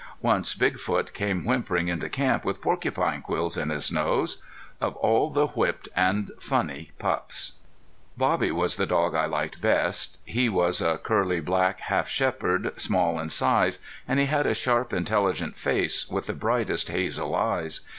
Once Big Foot came whimpering into camp with porcupine quills in his nose. Of all the whipped and funny pups! Bobby was the dog I liked best. He was a curly black half shepherd, small in size; and he had a sharp, intelligent face, with the brightest hazel eyes.